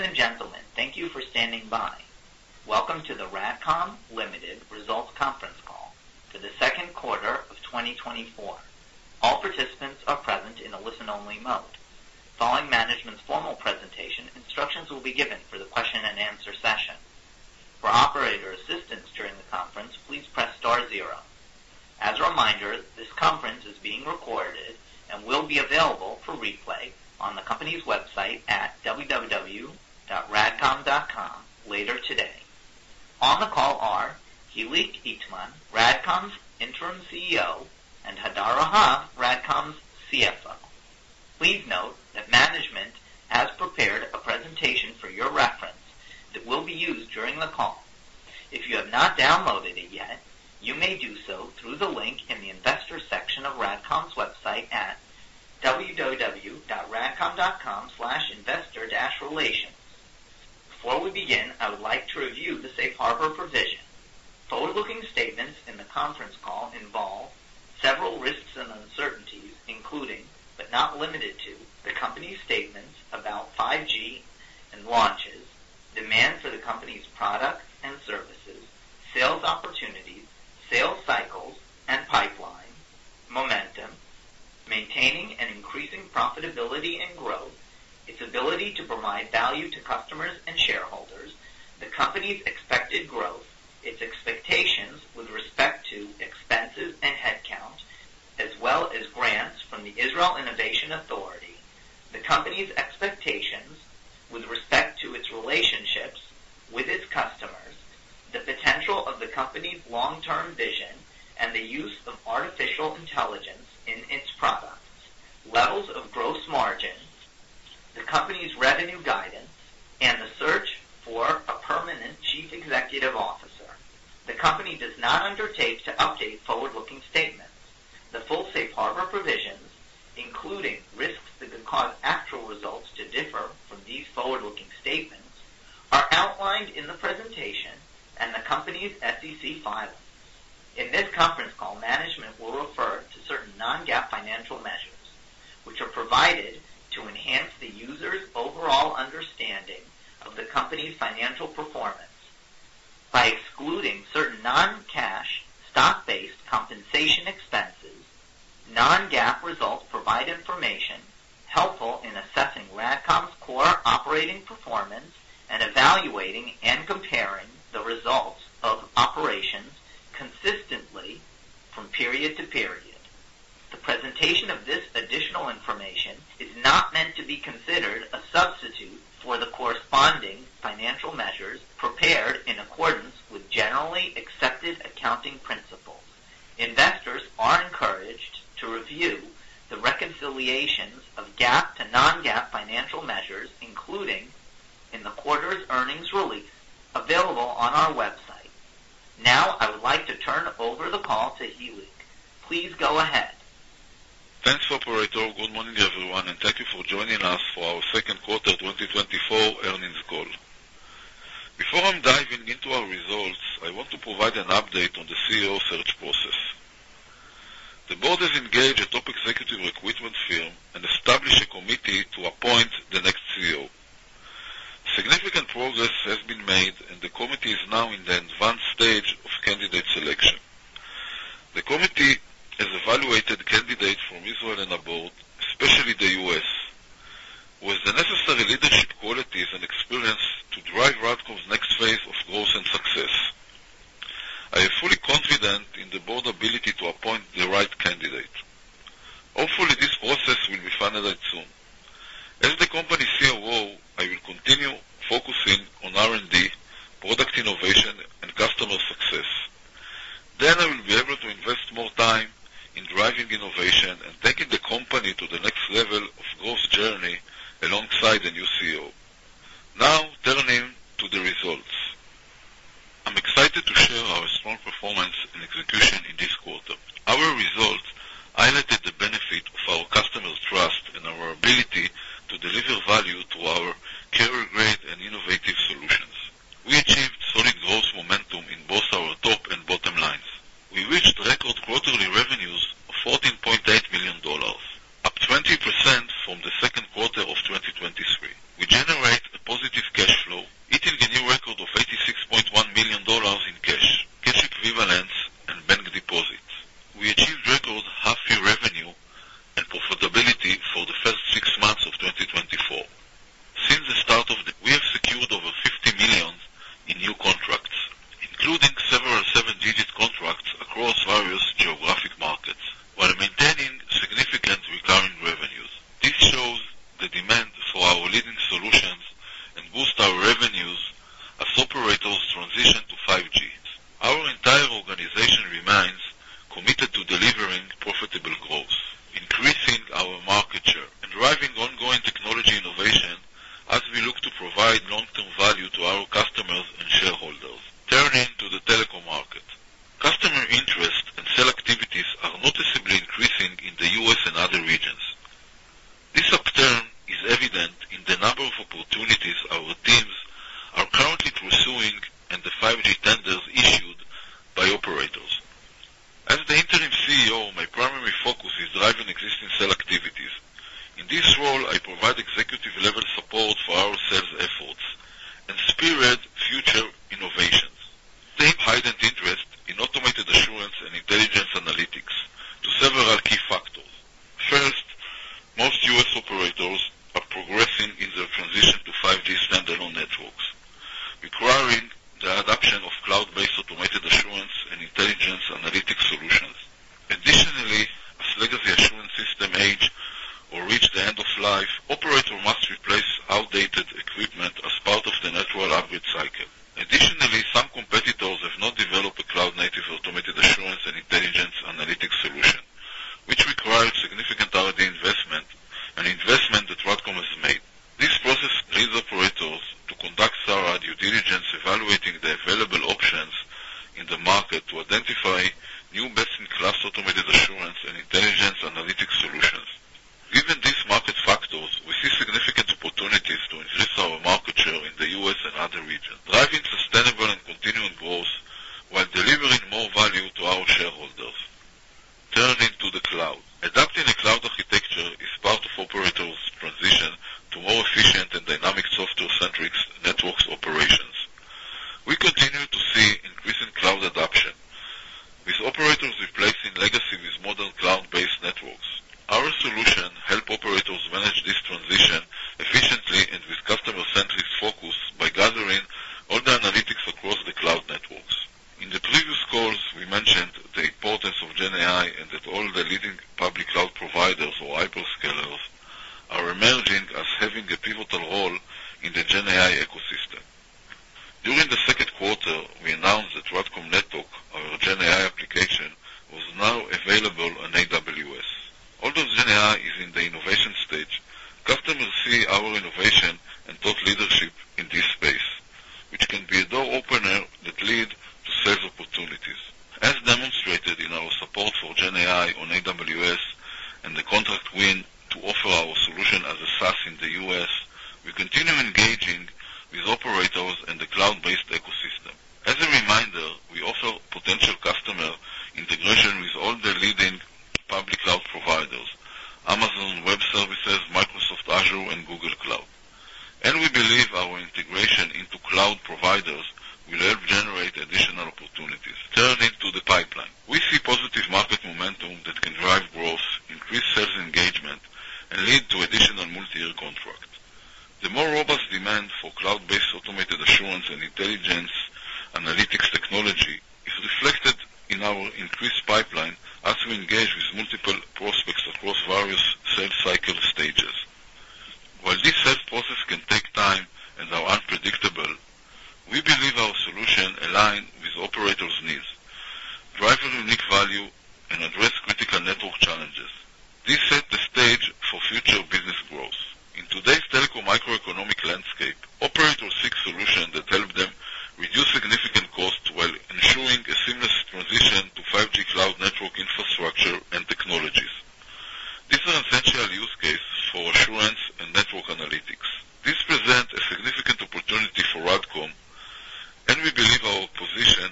Ladies and gentlemen, thank you for standing by. Welcome to the RADCOM Limited results conference call for the second quarter of 2024. All participants are present in a listen-only mode. Following management's formal presentation, instructions will be given for the question and answer session. For operator assistance during the conference, please press star zero. As a reminder, this conference is being recorded and will be available for replay on the company's website at www.radcom.com later today. On the call are Hilik Itman, RADCOM's Interim CEO, and Hadar Rahav, RADCOM's CFO. Please note that management has prepared a presentation for your reference that will be used during the call. If you have not downloaded it yet, you may do so through the link in the investor section of RADCOM's website at www.radcom.com/investor-relations. Before we begin, I would like to review the safe harbor provision. Forward-looking statements in the conference call involve several risks and uncertainties, including, but not limited to, the company's statements about 5G and launches, demand for the company's products and services, sales opportunities, sales cycles and pipeline, momentum, maintaining and increasing profitability and growth, its ability to provide value to customers and shareholders, the company's expected growth, its expectations with respect to expenses and headcount, as well as grants from the Israel Innovation Authority, the company's expectations with respect to its relationships with its customers, the potential of the company's long-term vision, and the use of artificial intelligence in its products, levels of gross margins, the company's revenue guidance, and the search for a permanent chief executive officer. The company does not undertake to update forward-looking statements. The full safe harbor provisions, including risks that could cause actual results to differ from these forward-looking statements, are outlined in the presentation and the company's SEC filings. In this conference call, management will refer to certain non-GAAP financial measures, which are provided to enhance the user's overall understanding of the company's financial performance. By excluding certain non-cash, stock-based compensation expenses, non-GAAP results provide information helpful in assessing RADCOM's core operating performance and evaluating and comparing the results of operations consistently from period to period. The presentation of this additional information is not meant to be considered a substitute for the corresponding financial measures prepared in accordance with generally accepted accounting principles. Investors are encouraged to review the reconciliations of GAAP to non-GAAP financial measures, including in the quarter's earnings release, available on our website. Now, I would like to turn over the call to Hilik. Please go ahead. Thanks, operator. Good morning, everyone, and thank you for joining us for our second quarter 2024 earnings call. Before I'm diving into our results, I want to provide an update on the CEO search process. The board has engaged a top executive recruitment firm and established a committee to appoint the next CEO. Significant progress has been made, and the committee is now in the advanced stage of candidate selection. The committee has evaluated candidates from Israel and abroad, especially the U.S., with the necessary leadership qualities and experience to drive RADCOM's next phase of growth and success. I am fully confident in the board's ability to appoint the right candidate. Hopefully, this process will be finalized soon. As the company CEO, I will continue focusing on R&D, product innovation, and customer success. Then I will be able to invest more time in driving innovation and taking the company to the next level of growth journey alongside the new CEO. Now, turning to the results. I'm excited to share our strong performance and execution in this quarter. Our results highlighted the benefit of our customers' trust and our ability to deliver value to our carrier-grade and innovative solutions. We achieved solid growth momentum in both our top and bottom lines. We reached record quarterly revenues of $14.8 million, up 20% from the second quarter of 2023. We generate a positive cash flow, hitting a new record of $86.1 million in cash, cash equivalents, and bank deposits. We achieved record half-year revenue and profitability for the first As demonstrated in our support for Gen AI on AWS and the contract win to offer our solution as a SaaS in the U.S., we continue engaging with operators and the cloud-based ecosystem. As a reminder, we offer potential customer integration with all the leading public cloud providers, Amazon Web Services, Microsoft Azure, and Google Cloud. We believe our integration into cloud providers will help generate additional opportunities. Turning to the pipeline. We see positive market momentum that can drive growth, increase sales engagement, and lead to additional multi-year contract. The more robust demand for cloud-based automated assurance and intelligence analytics technology is reflected in our increased pipeline as we engage with multiple prospects across various sales cycle stages. While this sales process can take time and are unpredictable, we believe our solution align with operators' needs, drive a unique value, and address critical network challenges. This set the stage for future business growth. In today's telco microeconomic landscape, operators seek solution that help them reduce significant costs while ensuring a seamless transition to 5G cloud network infrastructure and technologies. These are essential use case for assurance and network analytics. This present a significant opportunity for RADCOM, and we believe our position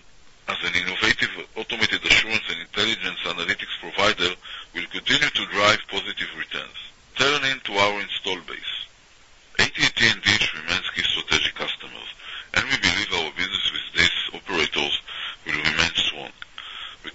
as an innovative, automated assurance and intelligence analytics provider will continue to drive positive returns. Turning to our installed base. AT&T remains key strategic customers, and we believe our business with these operators will remain strong. We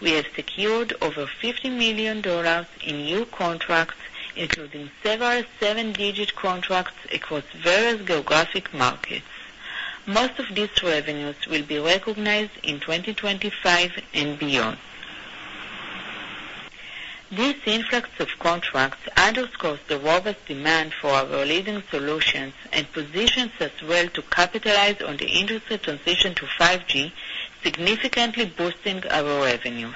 we have secured over $50 million in new contracts, including several seven-digit contracts across various geographic markets. Most of these revenues will be recognized in 2025 and beyond. This influx of contracts underscores the robust demand for our leading solutions and positions us well to capitalize on the industry transition to 5G, significantly boosting our revenues.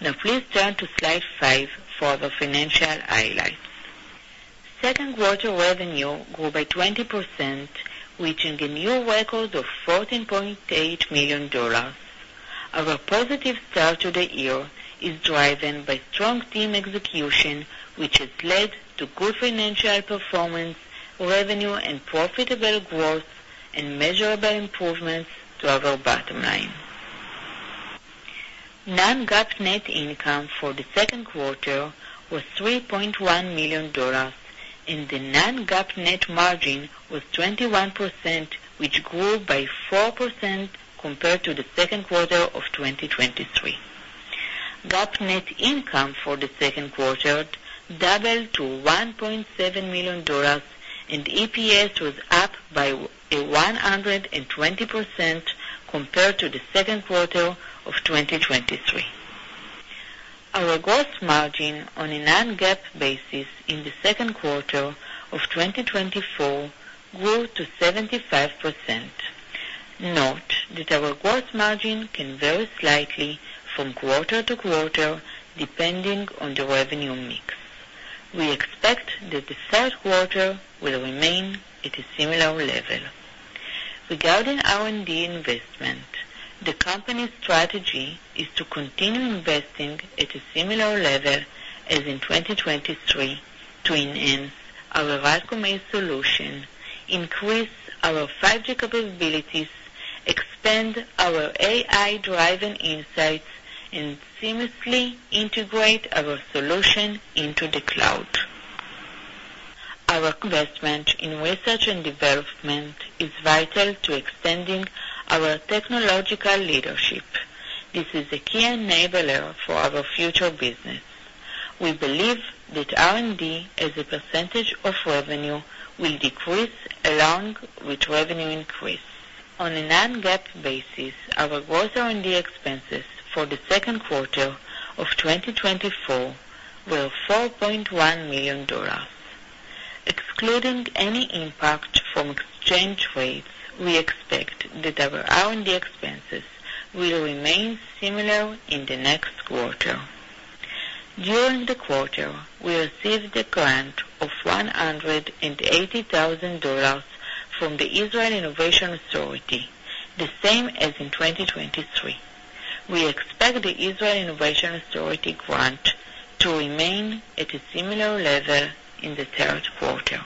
Now, please turn to slide 5 for the financial highlights. Second quarter revenue grew by 20%, reaching a new record of $14.8 million. Our positive start to the year is driven by strong team execution, which has led to good financial performance, revenue, and profitable growth, and measurable improvements to our bottom line. Non-GAAP net income for the second quarter was $3.1 million, and the non-GAAP net margin was 21%, which grew by 4% compared to the second quarter of 2023. GAAP net income for the second quarter doubled to $1.7 million, and EPS was up by 120% compared to the second quarter of 2023. Our gross margin on a non-GAAP basis in the second quarter of 2024 grew to 75%. Note that our gross margin can vary slightly from quarter to quarter, depending on the revenue mix. We expect that the third quarter will remain at a similar level. Regarding R&D investment, the company's strategy is to continue investing at a similar level as in 2023 to enhance our RADCOM ACE solution, increase our 5G capabilities, expand our AI-driven insights, and seamlessly integrate our solution into the cloud. Our investment in research and development is vital to extending our technological leadership. This is a key enabler for our future business. We believe that R&D, as a percentage of revenue, will decrease along with revenue increase. On a non-GAAP basis, our gross R&D expenses for the second quarter of 2024 were $4.1 million. Excluding any impact from exchange rates, we expect that our R&D expenses will remain similar in the next quarter. During the quarter, we received a grant of $180,000 from the Israel Innovation Authority, the same as in 2023. We expect the Israel Innovation Authority grant to remain at a similar level in the third quarter.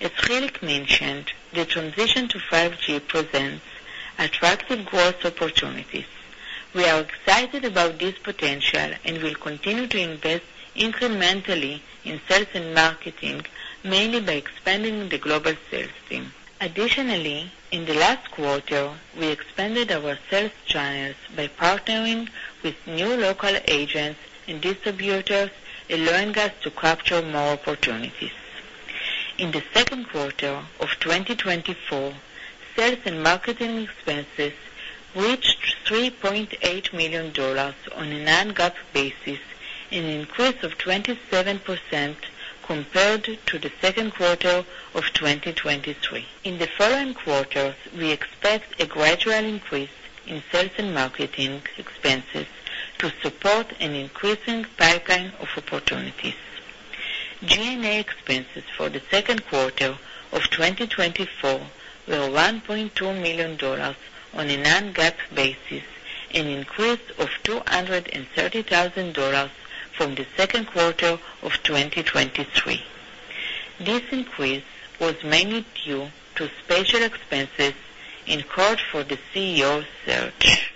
As Hilik mentioned, the transition to 5G presents attractive growth opportunities. We are excited about this potential and will continue to invest incrementally in sales and marketing, mainly by expanding the global sales team. Additionally, in the last quarter, we expanded our sales channels by partnering with new local agents and distributors, allowing us to capture more opportunities. In the second quarter of 2024, sales and marketing expenses reached $3.8 million on a non-GAAP basis, an increase of 27% compared to the second quarter of 2023. In the following quarters, we expect a gradual increase in sales and marketing expenses to support an increasing pipeline of opportunities. G&A expenses for the second quarter of 2024 were $1.2 million on a non-GAAP basis, an increase of $230,000 from the second quarter of 2023. This increase was mainly due to special expenses incurred for the CEO search.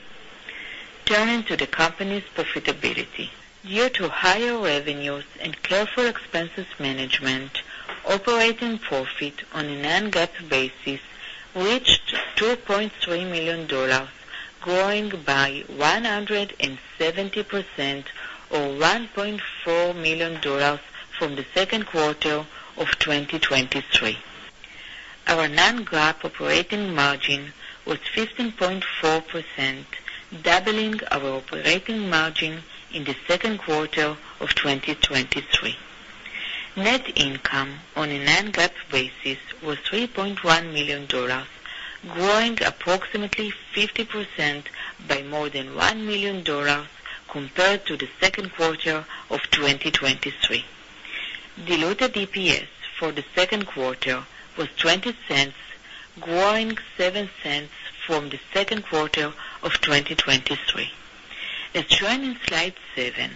Turning to the company's profitability. Due to higher revenues and careful expenses management, operating profit on a non-GAAP basis reached $2.3 million, growing by 170%, or $1.4 million from the second quarter of 2023. Our non-GAAP operating margin was 15.4%, doubling our operating margin in the second quarter of 2023. Net income on a non-GAAP basis was $3.1 million, growing approximately 50% by more than $1 million compared to the second quarter of 2023. Diluted EPS for the second quarter was $0.20, growing $0.07 from the second quarter of 2023. As shown in Slide 7,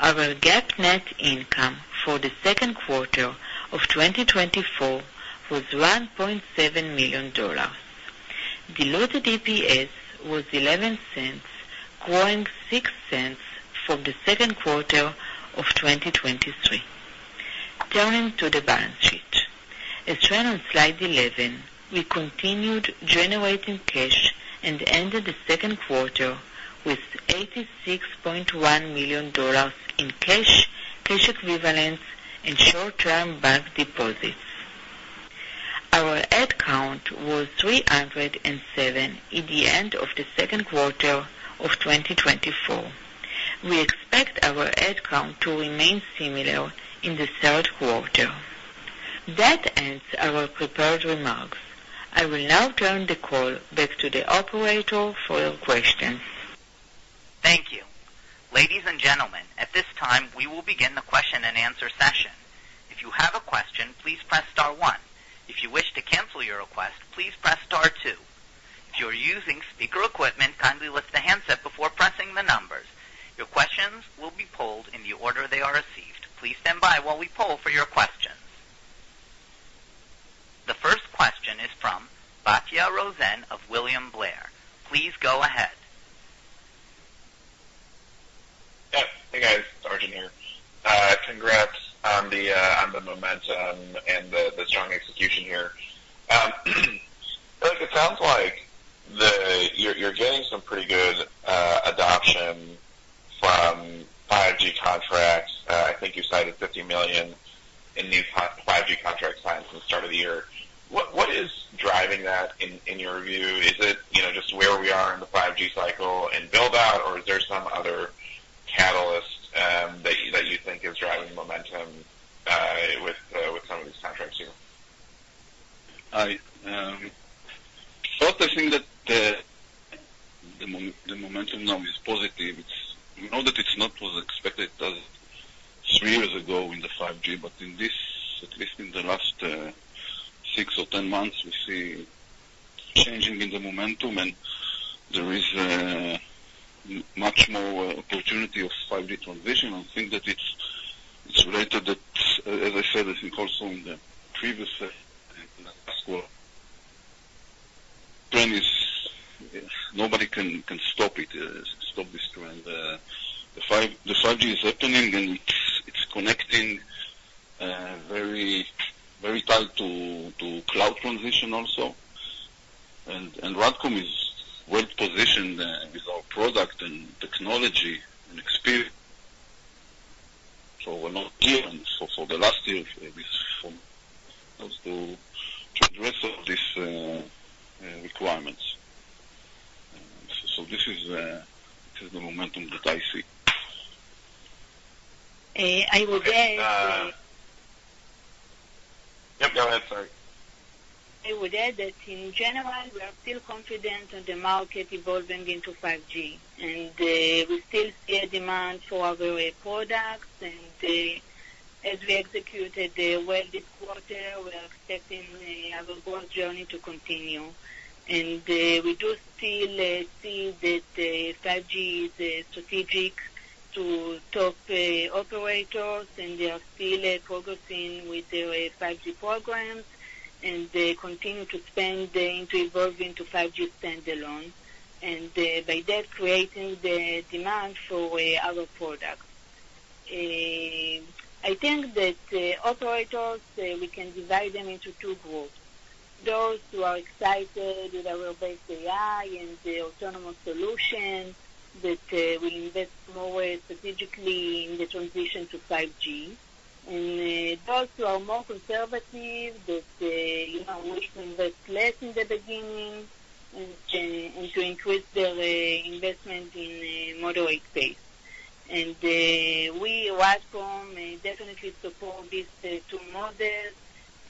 our GAAP net income for the second quarter of 2024 was $1.7 million. Diluted EPS was $0.11, growing $0.06 from the second quarter of 2023. Turning to the balance sheet. As shown on Slide 11, we continued generating cash and ended the second quarter with $86.1 million in cash, cash equivalents, and short-term bank deposits. Our headcount was 307 at the end of the second quarter of 2024. We expect our headcount to remain similar in the third quarter. That ends our prepared remarks. I will now turn the call back to the operator for your questions. Thank you. Ladies and gentlemen, at this time, we will begin the question-and-answer session. If you have a question, please press star one. If you wish to cancel your request, please press star two. If you are using speaker equipment, kindly lift the handset before pressing the numbers. Your questions will be polled in the order they are received. Please stand by while we poll for your questions. The first question is from Arjun Bhatia of William Blair. Please go ahead. Yes. Hey, guys. Arjun here. Congrats on the on the momentum and the the strong execution here. It sounds like the. You're, you're getting some pretty good adoption from 5G contracts. I think you cited $50 million in new 5G contracts signed since the start of the year. What, what is driving that in, in your view? Is it, you know, just where we are in the 5G cycle and build-out, or is there some other catalyst that you, that you think is driving the momentum with with some of these contracts here? First, I think that the momentum now is positive. It's not that it's not was expected as 3 years ago in the 5G, but in this, at least in the last 6 or 10 months, we see changing in the momentum, and there is much more opportunity of 5G transition. I think that it's related that, as I said, I think also in the previous, in the last quarter. Trend is, nobody can stop it, stop this trend. The 5G is happening, and it's connecting very, very tight to cloud transition also. And RADCOM is well positioned with our product and technology and experience. So we're not here, and so for the last year, with from us to address all these requirements. So this is the momentum that I see. I would add, Yep, go ahead, sorry. I would add that in general, we are still confident on the market evolving into 5G, and we still see a demand for our products, and as we executed well this quarter, we are expecting our growth journey to continue. And we do still see that 5G is strategic to top operators, and they are still progressing with their 5G programs, and they continue to spend to evolve into 5G standalone, and by that, creating the demand for our products. I think that operators we can divide them into two groups. Those who are excited with our base AI and the autonomous solution, that will invest more strategically in the transition to 5G. And, those who are more conservative, that you know wish to invest less in the beginning, and to increase their investment in a moderate pace. And, we, RADCOM, definitely support these two models,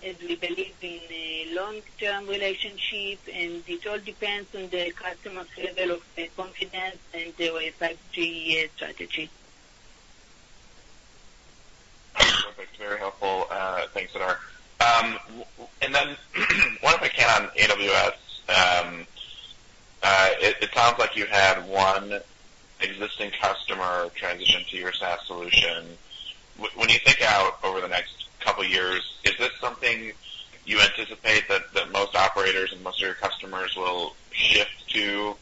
as we believe in a long-term relationship, and it all depends on the customer's level of confidence, and their 5G strategy. Perfect. Very helpful. Thanks, Hadar. And then, one if I can on AWS, it sounds like you had one existing customer transition to your SaaS solution. When you think out over the next couple years, is this something you anticipate that most operators and most of your customers will shift to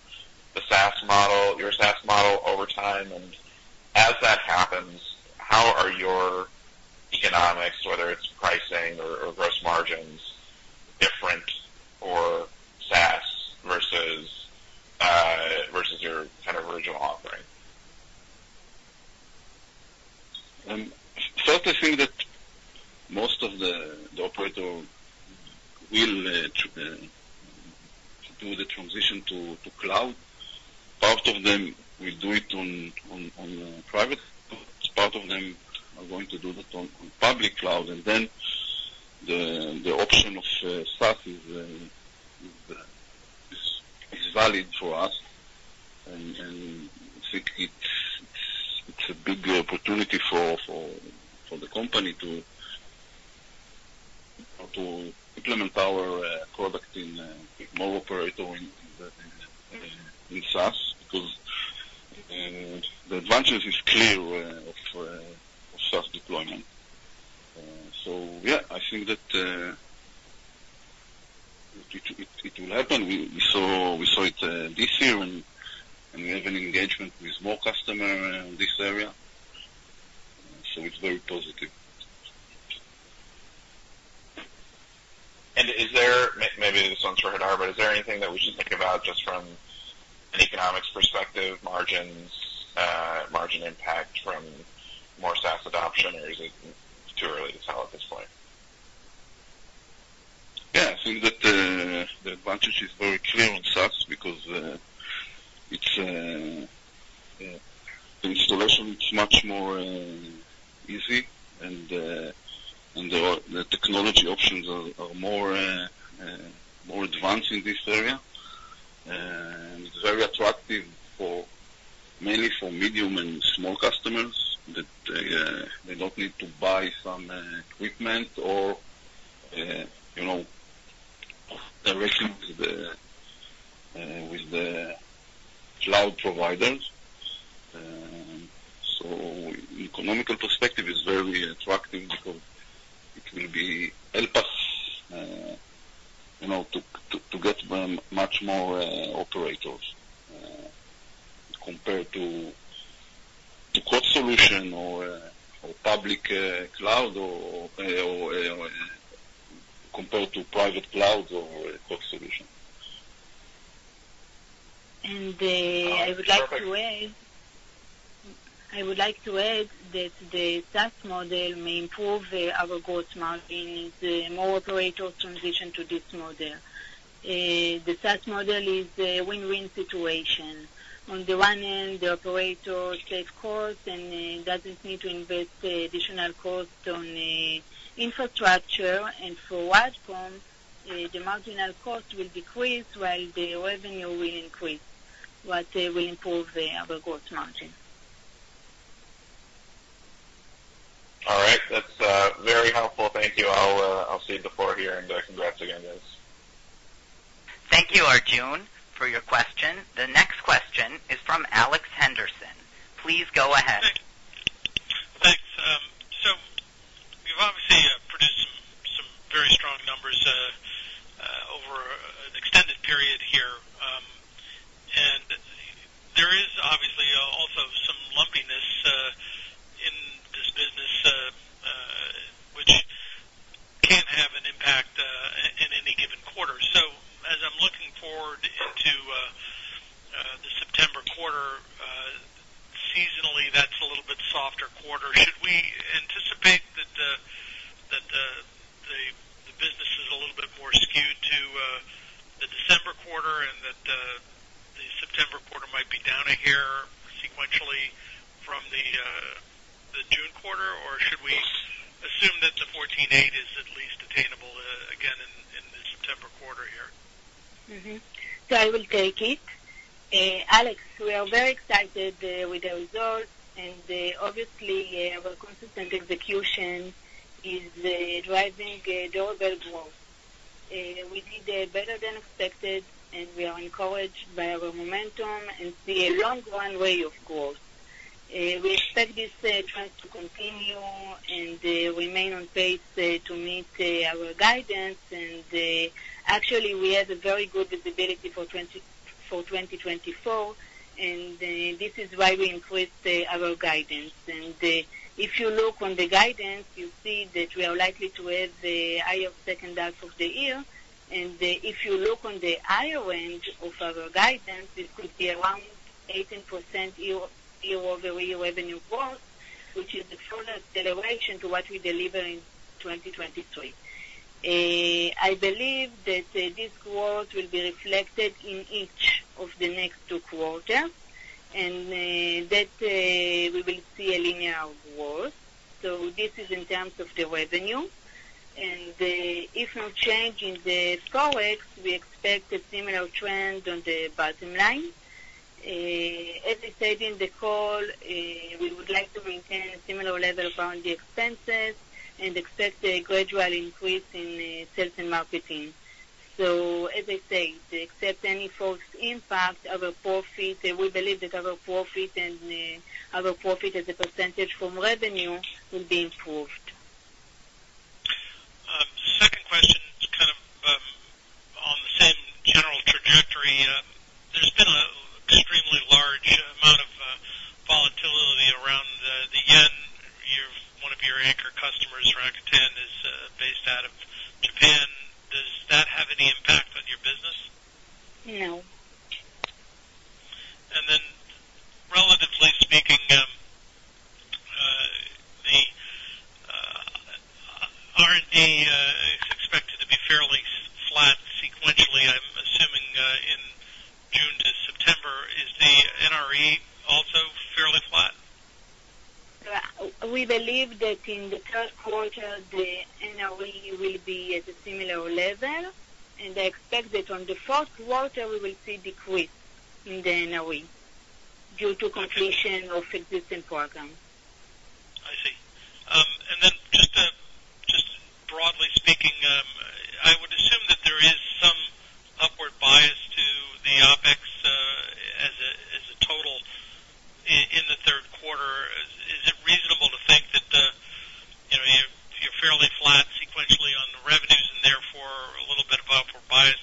the SaaS model, your SaaS model over time? And as that happens, how are your economics, whether it's pricing or gross margins, different for SaaS versus your kind of original offering? First, I think that most of the operators will do the transition to cloud. Part of them will do it on private clouds, part of them are going to do that on public cloud, and then the option of SaaS is valid for us. And I think it's a big opportunity for the company to implement our product in more operators in the SaaS, because the advantage is clear of SaaS deployment. So yeah, I think that it will happen. We saw it this year, and we have an engagement with more customers in this area, so it's very positive. Maybe this one's for Hadar, but is there anything that we should think about just from an economics perspective, margins, margin impact from more SaaS adoption, or is it too early to tell at this point? Yeah, I think that the advantage is very clear on SaaS because it's the installation is much more easy, and the technology options are more advanced in this area. And it's very attractive mainly for medium and small customers that they don't need to buy some equipment or, you know, of direction with the cloud providers. So economical perspective is very attractive because it will be help us, you know, to get them much more operators compared to core solution or public cloud or compared to private clouds or core solution. And, uh- Perfect. I would like to add, I would like to add that the SaaS model may improve our gross margin as more operators transition to this model. The SaaS model is a win-win situation. On the one hand, the operators save costs and doesn't need to invest additional cost on infrastructure, and for RADCOM, the marginal cost will decrease while the revenue will increase, what will improve our gross margin. All right. That's very helpful. Thank you. I'll cede the floor here, and congrats again, guys. Thank you, Arjun, for your question. The next question is from Alex Henderson. Please go ahead. Thanks. So you've obviously produced some very strong numbers over an extended period here. And there is obviously also some lumpiness in this business, which can have an impact in any given quarter. So as I'm looking forward into the September quarter, seasonally, that's a little bit softer quarter. Should we anticipate that the business is a little bit more skewed to the December quarter, and that the September quarter might be down a hair sequentially from the June quarter? Or should we assume that the $14.8 is at least attainable again in the September quarter here? Mm-hmm. So I will take it. Alex, we are very excited with the results, and obviously our consistent execution is driving durable growth. We did better than expected, and we are encouraged by our momentum and see a long runway of growth. We expect this trend to continue and remain on pace to meet our guidance. And actually, we had a very good visibility for 2024, and this is why we increased our guidance. And if you look on the guidance, you see that we are likely to have the upside in the second half of the year. If you look on the higher range of our guidance, it could be around 18% year-over-year revenue growth, which is the further acceleration to what we deliver in 2023. I believe that this growth will be reflected in each of the next two quarters, and that we will see a linear growth. So this is in terms of the revenue. And if no change in the forex, we expect a similar trend on the bottom line. As I said in the call, we would like to maintain a similar level on the expenses and expect a gradual increase in sales and marketing. So as I said, absent any forex impact, our profit, we believe that our profit and our profit as a percentage from revenue will be improved. Second question is kind of on the same general trajectory. There's been an extremely large amount of volatility around the yen. One of your anchor customers, Rakuten, is based out of Japan. Does that have any impact on your business? No. And then, relatively speaking, the R&D is expected to be fairly flat sequentially, I'm assuming, in June to September. Is the NRE also fairly flat? We believe that in the third quarter, the NRE will be at a similar level, and I expect that on the fourth quarter, we will see decrease in the NRE due to completion of existing programs. I see. And then just, just broadly speaking, I would assume that there is some upward bias to the OpEx, as a total in the third quarter. Is it reasonable to think that, you know, you're fairly flat sequentially on the revenues and therefore a little bit of upward bias,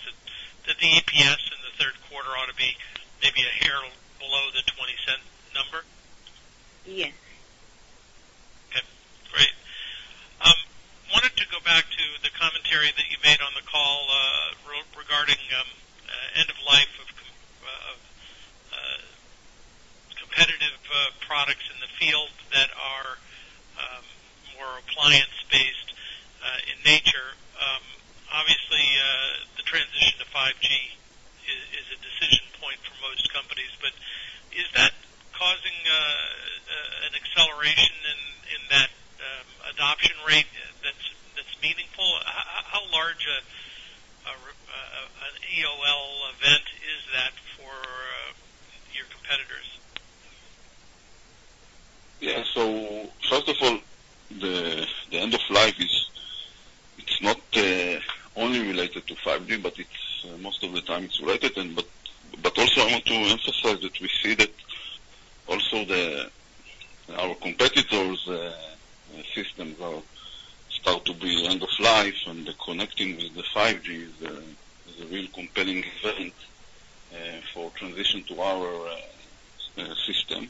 that the EPS in the third quarter ought to be maybe a hair below the $0.20 number? Yes. Okay, great. Wanted to go back to the commentary that you made on the call, regarding end of life of competitive products in the field that are more appliance-based in nature. Obviously, the transition to 5G is a decision point for most companies, but is that causing an acceleration in that adoption rate that's meaningful? How large an EOL event is that for your competitors? Yeah. So first of all, the end of life is... It's not only related to 5G, but it's, most of the time it's related. But also I want to emphasize that we see that also the our competitors systems are start to be end of life, and the connecting with the 5G is a real compelling event for transition to our system.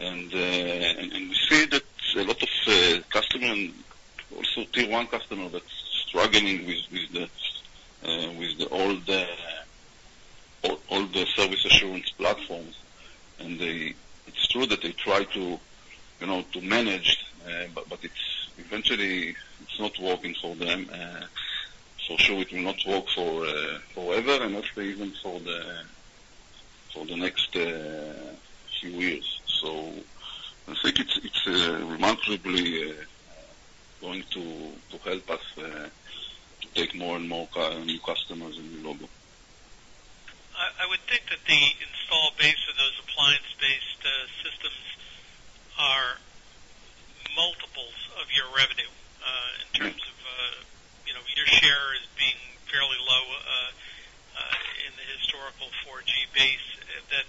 And we see that a lot of customer and also tier one customer that's struggling with the old service assurance platforms. It's true that they try to you know to manage, but it's eventually it's not working for them. So sure, it will not work for forever, and actually even for the next few years. I think it's remarkably going to help us to take more and more new customers and new logo. I would think that the installed base of those appliance-based systems are of your revenue, in terms of, you know, your share as being fairly low, in the historical 4G base, that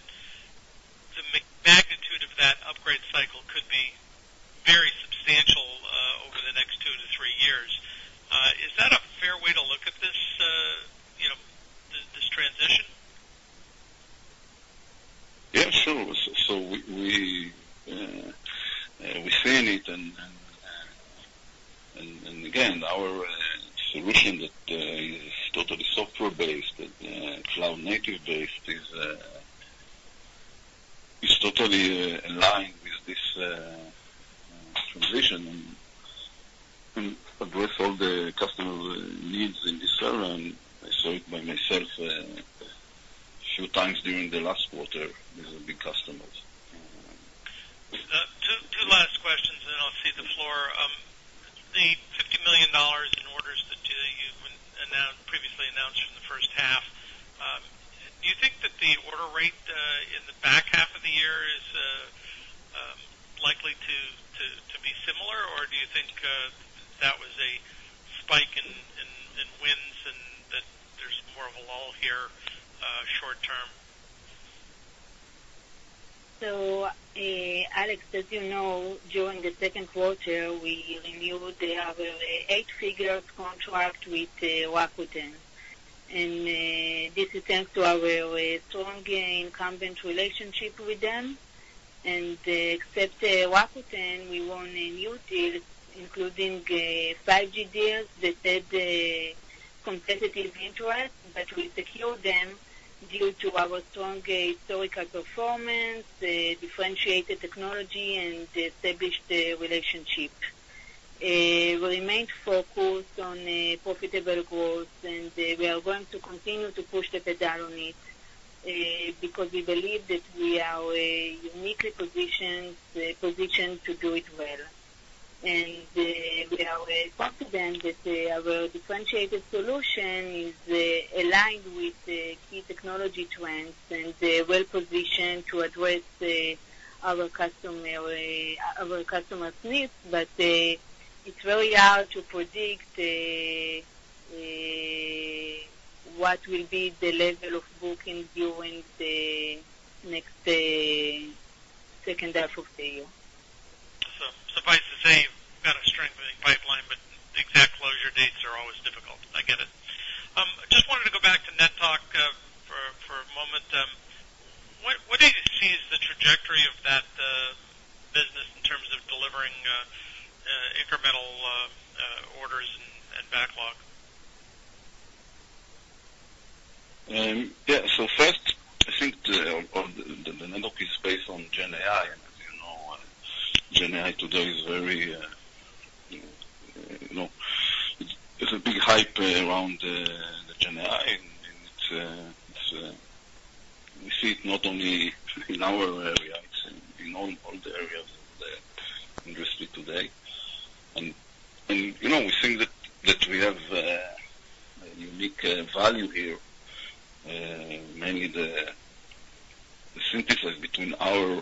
the magnitude of that upgrade cycle could be very substantial, over the next 2-3 years. Is that a fair way to look at this, you know, this transition? Yeah, sure. So we see in it and again, our solution that is totally software-based, that cloud-native based, is totally aligned with this transition and address all the customer needs in this area, and I saw it by myself a few times during the last quarter with the big customers. Two last questions, and then I'll cede the floor. The $50 million in orders that you announced, previously announced in the first half, do you think that the order rate in the back half of the year is likely to be similar? Or do you think that was a spike in wins and that there's more of a lull here short term? So, Alex, as you know, during the second quarter, we renewed the eight-figure contract with Rakuten. And this attests to our strong incumbent relationship with them. And except Rakuten, we won new deals, including 5G deals that had a competitive interest, but we secured them due to our strong historical performance, the differentiated technology, and established relationship. We remain focused on profitable growth, and we are going to continue to push the pedal on it because we believe that we are uniquely positioned to do it well. And we are confident that our differentiated solution is aligned with the key technology trends and well-positioned to address our customer's needs. But, it's very hard to predict what will be the level of booking during the next second half of the year. So suffice to say, you've got a strengthening pipeline, but the exact closure dates are always difficult. I get it. I just wanted to go back to NetTalk for a moment. What do you see is the trajectory of that business in terms of delivering incremental orders and backlog? Yeah. So first, I think the NetTalk is based on Gen AI, and as you know, Gen AI today is very, you know, it's a big hype around the Gen AI, and we see it not only in our area, it's in all the areas of the industry today. And, you know, we think that we have a unique value here, mainly the synthesize between our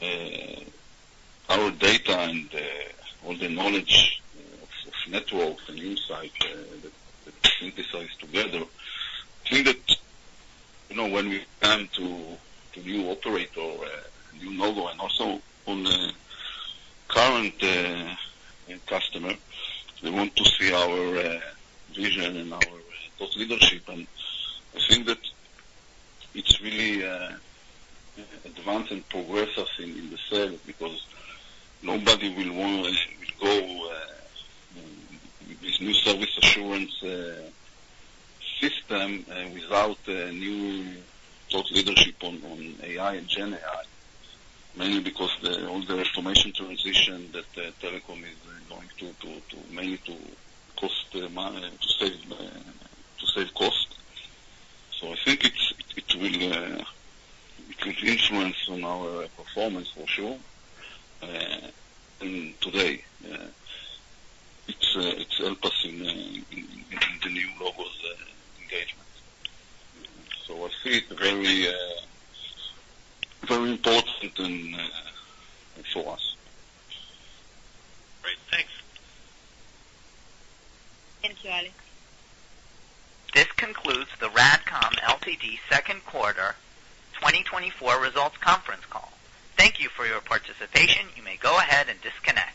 data and all the knowledge of networks and insight that synthesize together. I think that, you know, when we come to new operator or new logo, and also on the current customer, they want to see our vision and our thought leadership. And I think that it's really advance and progress us in the sale, because nobody will want to go with new service assurance system without a new thought leadership on AI and Gen AI. Mainly because all the information transition that telecom is going to mainly to cost money, to save cost. So I think it will, it could influence on our performance for sure, and today it's help us in the new logos engagement. So I see it very very important and for us. Great. Thanks. Thank you, Alex. This concludes the RADCOM Ltd second quarter 2024 results conference call. Thank you for your participation. You may go ahead and disconnect.